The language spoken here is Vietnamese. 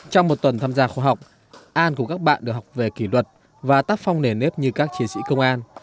trong một tuần tham gia khóa học an của các bạn được học về kỷ luật và tác phong nền nếp như các chiến sĩ công an